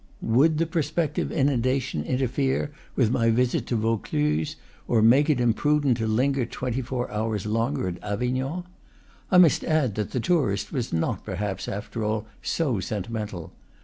Would the prospective inundation inter fere with my visit to Vaucluse, or make it imprudent to linger twenty four hours longer at Avignon? I must add that the tourist was not perhaps, after all, so sentimental.